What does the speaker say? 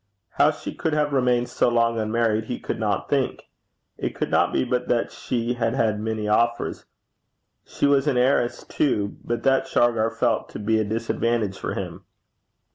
How she could have remained so long unmarried he could not think. It could not be but that she had had many offers. She was an heiress, too, but that Shargar felt to be a disadvantage for him.